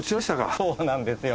そうなんですよ。